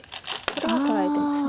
これは取られてます。